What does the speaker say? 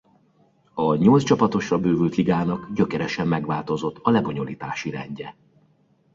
A nyolc csapatosra bővült ligának gyökeresen megváltozott a lebonyolítási rendje.